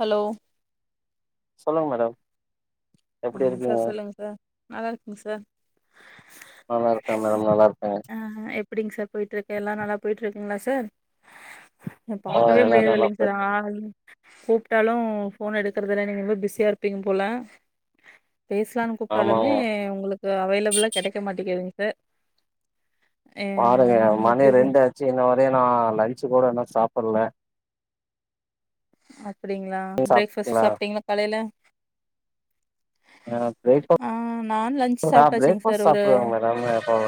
Hello சொல்லுங்க madam எப்டி ஆஹ இருக்கீங்க சார் சொல்லுங்க சார் நல்லா இருக்குங்க சார் நல்லா இருக்கே மேடம் நல்லா இருக்கே ஆஹ் எப்படிங்க சார் போயட்டு இருக்கே எல்லாம் நல்லா போயட்டு இருக் குங்களா சார் ஆ பாக்கவே எல்லா முடியாது நல்லா இல்லைங்க போய் சார் ஆ கூப்பிட்டாலும் போன் எடுக்கறதல்ல நீங்க ரொம்ப பிஸியா இருப்பீங்க போல பேசலாம்னு கூப்பிட்டாலுமே ஆமாங்க உங்களுக்கு அவைலபுளா கிடைக்க மாட்டேங்கி து பாருங்க மணி ரெண்டாச்சு இன்ன வரையும் நான் லஞ்சு கூட என்ன சாப்ப பல்ல அ அப்படிங்களா பிரேக்ஃபாஸ்ட் ஓகேங்களா சாப்பிட்டீங்களா காலையில ஆஹ் ஆ நா லன்ச் ஆஹ் சாப்ட்டாச்சுங்க பிரேக்ா்ட் சார் ஒரு சாப்பிடுவாங்க மேடம்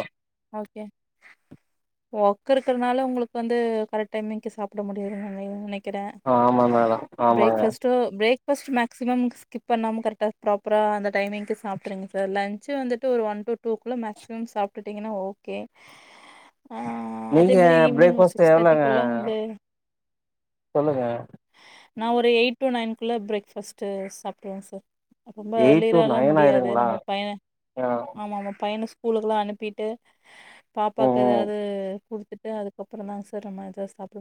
உட்கருக்கறனால உங்களுக்கு வந்து கரெக்ட் டைமுக்கு சாப்பிட முடியதுன்ன ந நினைக்கிறேன் ஆ ஆமா மேடம் ஆமாங்க ேக்பாஸ்டக் ஃாஸ்ட் மாக்ஸிமும் ஸ்கிப் பண்ணாம கரெட்டா ப்ராப்பரா அந்த டைமிங்கு சாப்பிருங்க சார் லன்ு வந்துட்டு ஒ டூள்ள மேசிமம் சாட்டீங்கன்னா ஓகே ஆ அதே நீங்க மாரி ஈவினிங் ஒரு பிரேக்ஃாஸ்ட் சிக்ஸ் எவ்வளோங்க தேர்ட்டிக்குள்ள வந்து சொல்லுங்க நான் ஒரு எயிட் டு நைனுகுள்ள பிரேக்ஃாஸ்ட் சாப்பிடுவேன் சார் ரொம்ப எயிட் டு லேர்லல்லாம் நைன் முடியாது ஆயிருங்களா நம்ம பயண ஆ ஆமா ஆமா பையண ூலக்கல்லாம் அனுப்பிட்டு ம் பாப்பாக்கு ம் எதாவது கொடுத்துட்டு அதுக்கப்புறம் தான் சார் நம்ப இதா சாப்பிட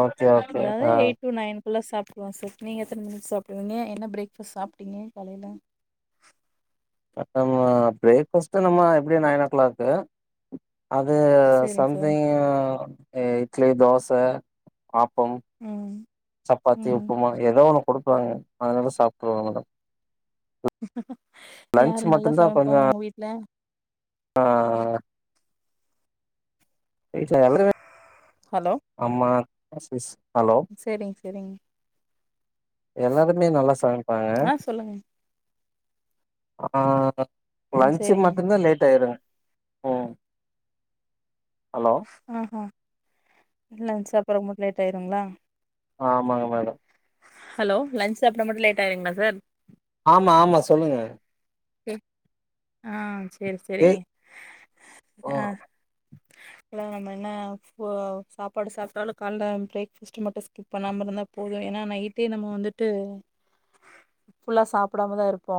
ஓகே ஓகே ஆஹ் டென்க்குள்ள சாப்பிடுவான் சார் நீங்க எத்தன மணிக்கு சாப்பிடுறீங்க என்ன பிரேக்ாஸ்ட் சாப்பிட்டீங்க காலையில அதம பிரேக்ாஸ்ட் நம்ம எப்படிய நைன் ஓ கிளாக் அது சேரிங்க சார் சம்திங் ஏ இட்லி தோசை ஆப்பம் ம் சப்பாத்தி ம் உப்புமா எதோ ஒணும் கொடுக்குறாங்க அதனால சாப்பிட்டுவாங்க மேடம் [unintelligible] லன்ச் யாரு நல்லா சமைப்ப உங்க வீட்டு்ல ஆஹ் ஆமா பீஸ் சரிங்க சரிங்க எல்லாருமே நல்லா சாமைப்பாங்க ஆ சொல்லுங்க ஆஹ் [unintelligible] ம் லஞ்ச்சு சேரிங்க மட்டும்தான் லேட் ஆயிரும் உம் ஆஹஹ இல்லச்ச அப்புறம் லேட் ஆயிருங்களா ஆ ஆமாங்க மேடம் ஹலோ லன்ஞ்சுசாப்பிடற மட்டும் லேட் ஆயிருங்களா சார் ஆமா ஆமா சொல்லுங்க ஆஹ் சரி சரி கே சரிங்க ஓ ஆ ஹாலோ நம்ம என்ன சாப்பாடு சாப்டாலும் கால்ல பெரேக் பாஸ்டு மட்டும் ஸ்சிக்ப் பண்ணாம இருந்தா மட்டும் போதும் ஏனா நைட்டே நம்ம வந்துட்டு புல்லா சாப்டாமா தா இருப்போ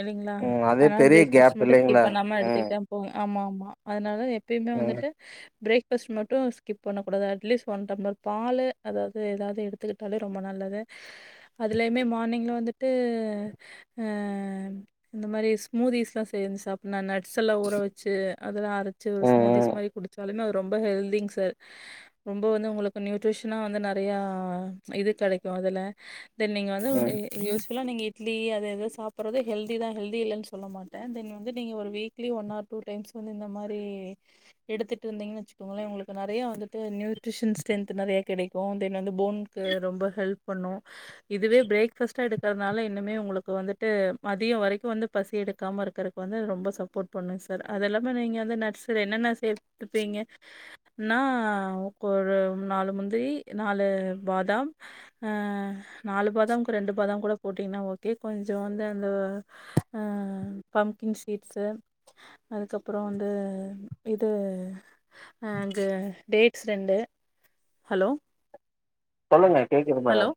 இல்லைங்களா ம் அதே ஆனா பெரிய பிரேக்ஃபாஸ்ட் கேப் மட்டும் ஸ்கிப் இல்லைங்களா பண்ணாம ம் எடுத்துக்கிட்டான் போங்க ஆமா ஆமா அதனால எப்பயுமே ம் வந்துட்டு பிரேக் ஃபர்ஸ்ட் மட்டும் ஸ்கிப் பண்ணக்கூடாது அட்லீஸ்ட் ஒன் டம்ளர் பால் அதாவது எதாவது எடுத்துக்கிட்டாலே ரொம்ப நல்லது அதுலேயுமே மார்னிங்கில் வந்துட்டு இந்த மாதிரி ஸ்மூதிஸ் செஞ்சி சாப்பிடா நட்ஸ் எல்லாம் உற வச்சு அயதெல்லாம் அ ம் ஸ்மோதிஸ் ம் மாதிரி குடிச்சாலுே அவர் ரொம்ப ஹெல்திங் சார் ரொம்ப வந்து உங்களுக்கு நியூட்ரிஷனா வந்து நிறைய இது கிடைக்கும் அதுல தென் நீங்க வந்து ம் ஒரு யூஸ் எல்லாம் நீங்க இட்லி அதது எது சாப்படுறது ஹெல்தி தான் ஹெல்தி இல்லைன்னு சொல்ல மாட்டேன் தென் வந்து நீங்கள் ஒரு weekly one or two times வந்து இந்த மாதிரி எடுத்துகிட்டு இருந்தீங்கன்னு வச்சுக்கோங்களேன் உங்களுக்கு நிறையா வந்துட்டு நியூட்ரிஷன் ஸ்ட்ரென்த் நிறையா கிடைக்கும் தென் வந்து போனுக்கு ரொம்பஹெல்ப் பண்ணணும் இதுவே பிரேக்ஃபாஸ்ட்டா எடு இருக்கிறதுனால இன்னுமே உங்களுக்கு வந்துட்டு மதியம் வரைக்கும் வந்து பசி எடுக்காமல் இருக்கக்கு வந்து ரொம்ப சப்போர்ட் பண்ணுங்க சார் அது இல்லாமல் நீங்கள் வந்து நர்ஸர் என்னென்ன வேற என்னேன் ன வந்து எடுத்திருப்பிங்க ஆனா ஒரு நாழு முந்திரி நாழு பாதாம் ஹ நாழு பாதாமுக்கு ரெண்டு பாதாம் கூட போட்டிங்கன்னா ஓகே கொஞ்ச அந்த அந்த பம்ப்கிங் ஷீட்ஸு அதுக்கப்புறம் வந்து இது அங்கே டேட்ஸ் ரெண்டு ஹலோ சொல்லுங்க கேக்குது ஹலோ மேடம்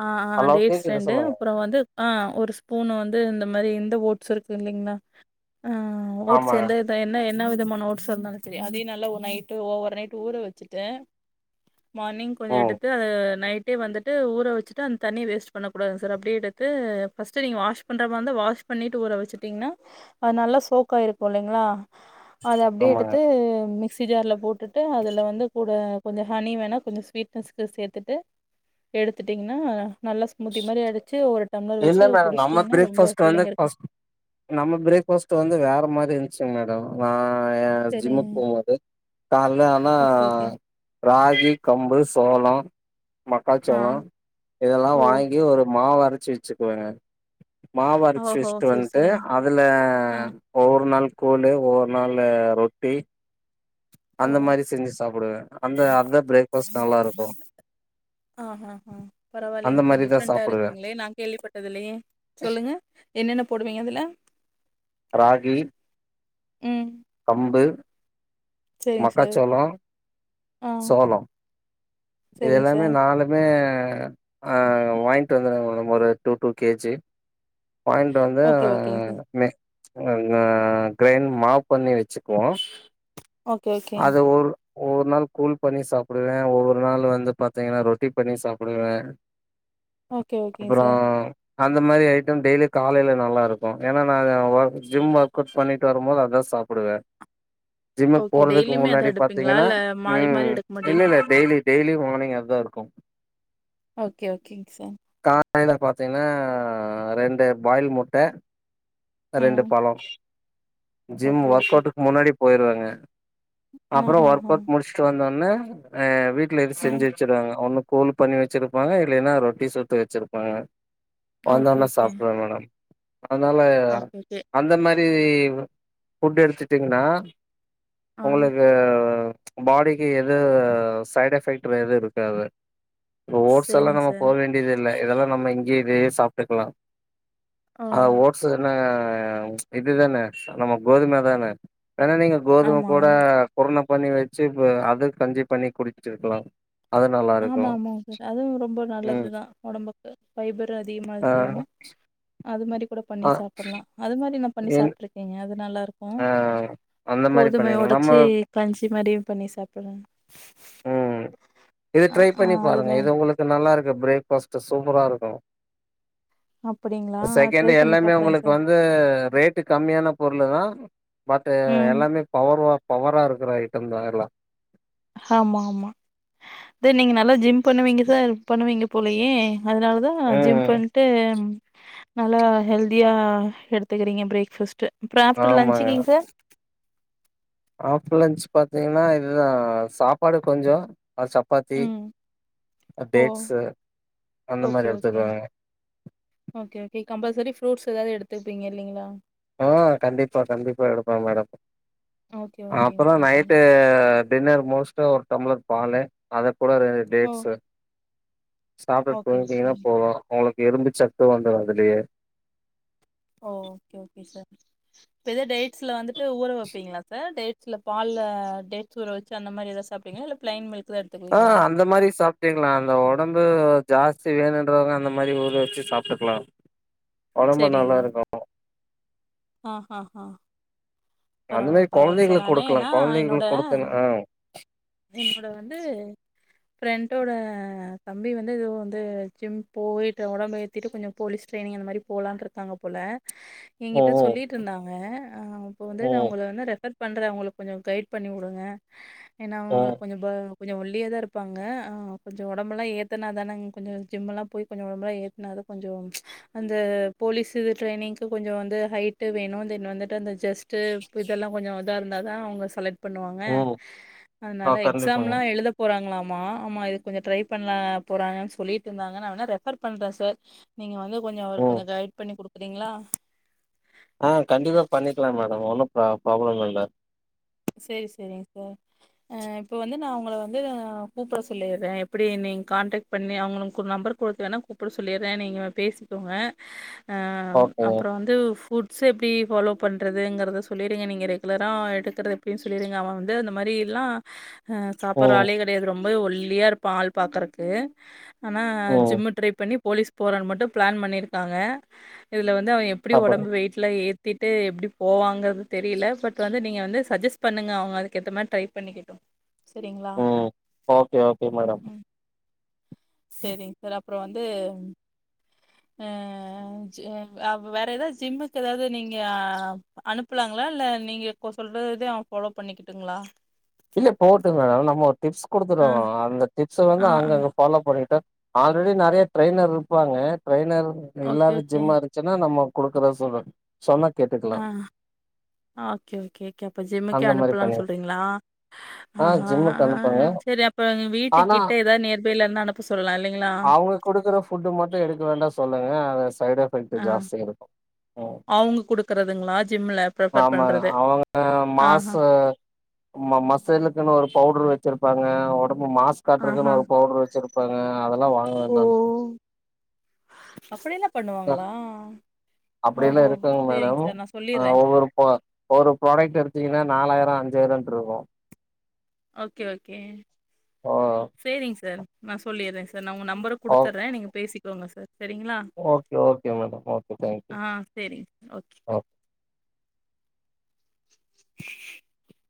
அஹ ஹலோ அதே கேக்குது ஃப்ரெண்டு சொல்லுங்க அப்பறம் வந்து அஹ ஒரு ஸ்பூன் வந்து அது மாதிரி எந்த ஓட்ஸ் இருக்கு இல்லைங்கன்னா உம் ஓட்ஸ் ஆமாங்க எந்த என்ன என்ன விதமா நோட்ஸ் இந்தாலும் செரி அதையும் நல்லா நைட்டு ஓவர் நைட் ஊற வச்சுட்டு மார்னிங் கொஞ்சம் ம் எடுத்து அது நைட் அப்டியே வந்துட்டு ஊற வச்சுட்டு அந்த தண்ணிய வேஸ்ட் பண்ணக்கூடாது சார் அப்படியே எடுத்து ஃபஸ்ட்டு நீங்கள் வாஷ் பண்ற மாத வந்து வாஷ் பண்ணிட்டு ஊற வச்சுட்டிங்கா அது நல்லா சோக்காயிருக்கும் இல்லைங்களா அத அப்படியே ஆமாங்க எடுத்து மிக்சி ஜார்ல போட்டுட்டு அதுல வந்து கூட கொஞ்சம் ஹனி வேணா கொஞ்சம் ஸ்வீட்னஸ்க்கு சேர்த்துட்டு எடுத்துட்டீங்கன்னா நல்லா ஸ்மூதி மாதிரி அது இல்ல மேடம் நம்ம பிரேக்பாஸ்ட் பாஸ் ஃபில்லிங்கா இருக்கு வந்து நம்ம பிரேக்பாஸ்ட் வந்து வேற மாதிரி இருந் சு மேடம் நான் என் ஜிம்முக்கு சரிங்க போகும்போது கால்ல ஆனா ஓகே ஓகே ராகி கம்பு சோளம் ஆ மக்காச்சோளம் இதெல்லாம் ஓ வாங்கி ஒரு மாவர அரச் சுக்குவேங்க மாவாரச்சு ஓஹோ வச்ட் செரி வந்துட்டு செரிங்க அதுல ஆ ஒவ்வொரு நாள் கூலு ஒவ்வொரு நாள் ரொட்டி அந்த ஓ மாதிரி செஞ்சு சாப்பிடுவேன் அந்த அத பிரேக்பாஸ்ட் நல்லா இருக்கும் ஆஹ் ஆஹ் ஆஹ் அந்த பரவாயில்லைங்க சார் மாரிதான் டிஃப்ரெண்டா சாப்பிடுவேன் இருக்குங்களே நான் கேள்விப்பட்டதுலயே சொல்லுங்க என்னென்ன போடுவீங்க அதுல ராகி ம் சரிங்க சார் மக்காச்சோளம் ஆ சோளம் இது சரிங்க எல்லாமே சார் நாலுமே ஆ ஹ வாங்கிட்டு வந்துருங்க மேடம் ஒரு டூ டூ கேஜி வாயிண்ட்டு வந்து ஓகே ஓகேங்க சார் மே அ அ கிரைன் மாவ் பொண்ணி வச்சுக்குவோம் ஓகே ஓகே ஒவ்வொரு நாள் கூல் பண்ணி சாப்பிடுவேன் ஒவ்வொரு நாள் வந்து பாத்தீங்கன்னா ரொட்டி பண்ணி சாப்பிடுவேன் ஓகே ஓகேங்க சார் அந்த மாரி ஐட்டம் டெய்லியும் காலையில நல்லா இருக்கும் ஏன்னா நான் ஜிம் ஒர்க் அவுட் பண்ணிட்டு வரும்போது அதான் சாப்பிடுவேன் ஜிம் ஓகே போறதுக்கு டெய்லியுமே அத முன்னாடி எடுப்பீங்களா பாத்தீங்கன்னா இல்ல மாறி மாறி உம் எடுக்க இல்ல மாட்டீங்க இல்ல டெய்லி டெய்லி மார்னிங் அதுதான் இருக்கும் ஓகே ஓகேங்க சார் காலையில பாத்தீங்கன்னா ரெண்டு பாயில் முட்டை ரெண்டு ம் பழம் ஜிம் ஓகே ஓகே ஓர்கக்கவுட்க்கு முன்னாடி போயிருவாங்க ஆஹ் அப்புறம் ஆஹ் ஒர்க் ஆஹ் அவுட் முடிச்சுட்டு வந்தோ ன்ன ஹ வீட்ல எது ஆஹ் செஞ்சு வச்சுடுவாங்க ஒன்னும் கோல் பண்ணி வச்சிருப்பாங்க இல்லைன்னா ரொட்டி சுட்டு வச்சிருப்பாங்க ஓகே வந்தவனே ஓகே சாப்ட்ருவேன் மேடம் அதனால ஓகே ஓகே அந்த மாறி ரி ஃபுட் எடுத்துட்டீங்கன்னா ஆ உங்களுக்கு பாடிக்கு எது சைடு் எஃபெக்ட் எதுவும் இருக்காது ரோட்ஸ் எல்லாம் சரிங்க நம்ம போ சார் வேண்டியது இல்ல இதெல்லாம் நம்ம இங்கேயே இதே சாப்ட்டுக்கலாம் ஓ ஆஹ் ஓட்ஸ் ஆஹ் இது தான நம கோதும தான வேன்னா நீங்க கோதும ஆமா கூட ஆமா குருண பண்ணி வச்சு இ அத கஞ்சி பண்ணி குடிச்சிருக்கலாம் ஆமா ஆமா சார் அதுவும் ரொம்ப ம் நல்லதுதான் உடம்புக்கு ஃபைபரும் அதிகமா ஆ சேரணும் அது மாரி கூட பண்ணி ஆ சாப்பிடலாம் அது மாரி நா பண்ணி என் சாப்பட்டுருக்கீங்க நல்லா இருக்கும் ஆ அந்த மாரி கோதுமையா பண்ணிர்லா நம்ம உடைச்சு கஞ்சி மாரியும் பண்ணி சாப்பிடு ம் இது ட்ரை பண்ணி பாருங்க இது உங்களுக்கு நல்லா இருக் பிரேக் ஃபாஸ்ட் சூப்பரா இருக்கும் அப்படிங்களா? செகண்ட் ட்ரை பண்ணி எல்லாமே பாக்குறேன் உங்களுக்கு சார். வந்து ரேட்டு கம்மியான பொருளு தான் [inaudible] மத்த ம். எல்லாமே பவர் வா பவரா இருக்கிற ஐட்டம் தான் எல்லாம் ஆமா ஆமா நீங்க நல்லா ஜிம் பண்ணுவீங்க சார் பண்ணுவீங்க போலயே அதுனால்தான் ஜிம்ப் ம் பண்டே நல்லா ஹெல்தியா எடுத்துக்கறீங்க பிரேக்பாஸ்ட் அப்பறம் ஆப்டர் லன்ச்சுக்கங்க சார் ஆப்டர் லன்ச் பாத்தீங்கன்னா இதுதான் சாப்பாடு கொஞ்சம் அது சப்பாத்தி ம். ஓ! டேட்ஸு அந்த ஓகே, மாரி ஓகே. எடுத்துக்கங்க ஓகே, ஓகே. கம்பல்சரி ஃப்ரூட்ஸ் எதாவது எடுத்துருப்பீங்க இல்லைங்களா ஆஹ கண்டிப்பா கண்டிப்பா எடுப்பேன் மேடம் ஓகே, ஓகே, அப்பறம் ஓகே சார். நைட்டு டின்னர் மோஸ்டா டம்ளர் பாலு அத கூட ரெண்டு ஓ! டேட்ஸு சாப்ட்டு ஓகே, ஓகே. போயந்தீங்கன்னா போவலாம் உங்களுக்கு இரும்பு சத்து வந்து அதுலயே ஓ ஓகே ஓகே சார் டேட்ஸ்ல வந்துட்டு ஊற வப்பீங்களா சார் டேட்ஸ்ல பால்ல டேட்ஸ் ஊற வச்சு அந்த மாரி ஏத சாப்டீங்க இல்ல பிளைன் மில்க் தான் எடுத்துக்குவீங்களா ஆஹ் அந்த மாரி சாப்டீங்களா அந்த உடம்பு ஜாஸ்தி வேணுன்றவங்க அந்த மாரி ஊர வச்சு சாப்ட்டுக்கலாம் உடம்பு நல்லா இருக்கும் ஆஹ ஆஹ அந்த பரவால்ல மாரி பரவால்ல சார் கொழந்தைங்களுக்கு நானே குடுக்கலா ஏன்னா என்னோட கொழந்தைங்களுக்கு குடுத்தீங்க ஆ என்னோட வந்து பிரண்டோட தம்பி வந்து இதுவும் வந்து ஜிம் போய்ட்டு உடம்பு ஏத்திட்டு கொஞ்சம் போலீஸ் டிரெய்னிங் அந்த மாரி போலான் இருக்காங்க போல ம் சொல்லிட்டு இருந்தாங்க ஆஹ் இப்ப வந்து நா ம் உங்களை வந்து ரெஃபர் பண்ற அவுங்களுக்கு கொஞ்சம் கைட் பண்ணிவுடுங்க ஏன்னா ம் அவுங்களுக்கு கொஞ்ச கொஞ்சம் ஒல்லியா தான் இருப்பாங்க கொஞ்சம் உடம்பெலாம் ஏத்துனா தான் கொஞ்சம் ஜிம்மெலாம் போய் கொஞ்சம் உடம்பெலாம் ஏத்தனாதா கொஞ்சம் அந்த போலீஸு ட்ரைனிங்க்கு கொஞ்சம் வந்து ஹைட்டு வேணும் தென் வந்துட்டு அந்த ஜஸ்ட் இதெல்லாம் கொஞ்சம் இதா இருந்தா தான் அவுங்க செலக்ட் பண்ணுவாங்க ம் ஆ அதனால கண்டிப்பாங்க எக்ஸாம்லாம் எழுத போறாங்களாம் மா ஆமா இது கொஞ்சம் ட்ரை பண்ண போறாங்க சொல்லிட்டு இருந்தாங்க நா வேனா ரெஃபர் பண்றேன் சார் நீங்க வந்து கொஞ்ச அவர் ம் கொஞ்ச கைட் பண்ணி கொடுக் க்ரிங்களா பண்ணிக்கலாம் மேடம் ஒன்னும் ப்ரா ப்ராப்ளம் இல்ல சேரி சேரிங்க சார் ஹ இப்ப வந்து நான் உங்களை வந்து கூப்ட சொல்லிடுறேன் எப்டி நீங்க காண்டக்ட் பண்ணி அவுங்களுக்கு உங்க நம்பர் கொடுத்து வேணா கூப்ட சொல்லிறேன் நீங்க பேசிக்கோங்க அஹ ஓகேங்க அப்புறம் வந்து ஃபுட்ஸ் எப்டி ஃபாலோ பண்ணுறதுங்கிறத சொல்லிடுங்க நீங்க ரெகுலரா எடுக்கற எப்டின்னு சொல்லிருங்க அவன் வந்து அந்த மாரிலாம் ஹ சாப்ற ம் ஆலே கிடயாது ரொம் ரொம்பவே ஒல்லியா இருப்பான் ஆள் பாக்குறக்கு ஆனா ம் ஜிம்மு ட்ரை பண்ணி போலீஸ் போறன்னு மட்டும் பிளான் பண்ணியிருக்காங்க இதுல வந்து அவன் எப்டி அப்படி உடம்பு வெயிட்லாம் ஏ ட்டு எப்படி போவாங்க தெரியல பட் வந்து நீங்க வந்து சஜஸ்ட் பண்ணுங்க அவங்க அதுக்க ஏத்த மாதிரி ட்ரை பண்ணிக்கட்டும் உம் ஓகே ஓகே மேடம் ம் சரிங்க சார் அப்புறம் வந்து அஹ் வேற ஏதாவது ஜிம்முக்கு ஏதாவது நீங்க அனுப்புலாங்களா இல்ல நீங்க சொல்றது பாலோ பண்ணிக்கிட்டுங்களா இல்ல போட்டுங்க நம்ம டிப்ஸ் ஆ கொடுத்துருவோம் அந்த டிப்ஸ் வந்து ஆ ஆ அங்க பாலோ பண்ணிிட்டா ஆல்ரெடி நிறைய ட்ரெய்னர் இருப்பாங்க ட்ரெய்னர் ஓகே எல்லாரும் ஓகே ஜிம்மா இருந்துச்சுன்னா நம்ம கொடுக்குற சொல்லு ஆஹ ஓகே ஓகே கே அப்ப ஜிம்முக்கே அந்த மாரி அனுப்பலாம்னு பண்ணி சொல்றீங்களா ஆ ஆஹ்ஹ ஜிம்முக்கு அனுப்புங்க அஹ் சரி அப்ப எங்க வீட்டு ஆனா கிட்ட ஏதாவது நேர்பைல இருந்த அனுப்ப சொல்லலாம் இல்லைகளா அவங்க ஆ அத [unintelligible] சைடு எபெக் ஜாஸ்தியா இருக்கும் அவுங்க குடுக்குறதுங்களா ஜிம்ல ப்ரிஃபர் ஆமா பண்றது அவங்க மாச ஆஹா மசிலுக்குனு ஒரு பவுடர் வச்சிருப்பாங்க உடம்பு மாஸ் ஆஹா காட்டுறதுக்குன்னு ஒரு பவுடர் வச்சிருப் ப்பாக அதெல்லாம் வாங்க வேண்டா அப்படியல்ல அப்படியல்லாம் ஓஹோ இருப்பாங்க சேரிங் மேடம் சார் நா சொல்லிர்றே ஒவ்வொரு ஒரு ப்ராடக்ட் எடுத்தீங்கன்னா நாலாயிரம் அஞ் ஜெயலன் இருக்கும் ஓகே ஓகே ஓ சேரிங்க சார் நான் சொல்லிறேன் சா நான் உங்க நம்பர் ஓ கொடுத்துர்றேன் நீங்க பேசிக் சொல்லுங்க சார் சரிங்களா okay okay madam okay thank you ஆ சேரிங் ஓகே ஒகே [inaudible]